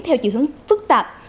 theo chữ hướng phức tạp